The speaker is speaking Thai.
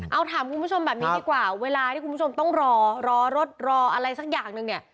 เอาถามคุณผู้ชมแบบนี้ดีกว่าเวลาที่คุณผู้ชมต้องรอรอรถรออะไรสักอย่างหนึ่งเนี่ย